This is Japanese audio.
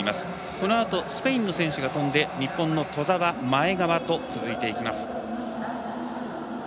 このあとスペインの選手が跳んで日本の兎澤、前川と続いていきいます。